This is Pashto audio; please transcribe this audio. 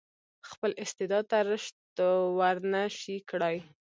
خپل استعداد ته رشد ورنه شي کړای.